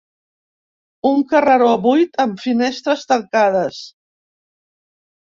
Un carreró buit amb finestres tancades.